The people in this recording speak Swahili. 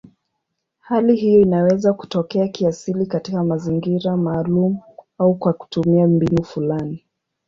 Hali hiyo inaweza kutokea kiasili katika mazingira maalumu au kwa kutumia mbinu fulani.